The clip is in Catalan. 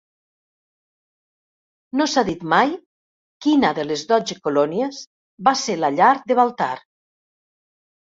No s'ha dit mai quina de les dotze colònies va ser la llar de Baltar.